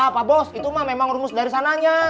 pak bos itu mah memang rumus dari sananya